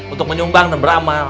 untuk menyumbang dan beramal